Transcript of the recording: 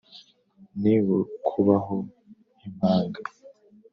ni ukubaho nk’impanga